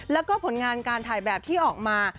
แล้วก็ผลงานการถ่ายแบบที่ออกมา